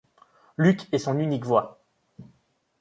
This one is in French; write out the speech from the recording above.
Luke et son unique voix.